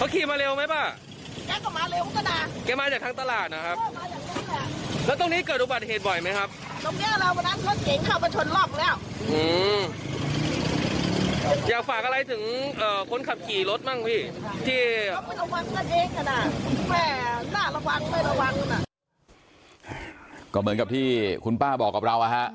ก็เหมือนกับที่คุณป้าบอกกับเรา